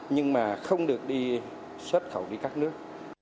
nhưng mà không được đi xuất khẩu đi các nước